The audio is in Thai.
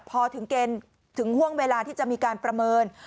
พอถึงเกณฑ์ถึงห่วงเวลาที่จะมีการประเมิน